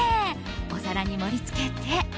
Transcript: お皿に盛りつけて。